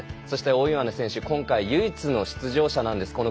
そして大岩根選手、今回唯一の出場者なんです。